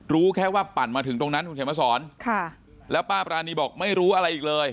รู้แค่ว่าปั่นมาถึงตรงนั้นคุณเขียนมาสอนค่ะแล้วป้าปรานีบอกไม่รู้อะไรอีกเลย